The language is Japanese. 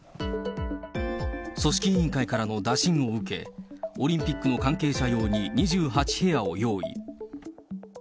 組織委員会からの打診を受け、オリンピックの関係者用に２８部屋を用意。